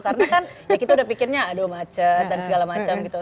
karena kan kita udah pikirnya aduh macet dan segala macam gitu